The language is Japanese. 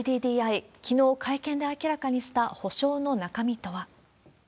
きのう会見で明らかにした補償の中身とは。